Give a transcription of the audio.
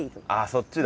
そっちだ。